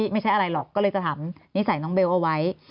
ไม่ใช่อะไรหรอกก็เลยจะถามนิสัยน้องเบลเอาไว้